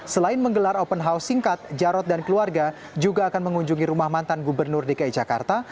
selain menggelar open house singkat jarod dan keluarga juga akan mengunjungi rumah mantan gubernur dki jakarta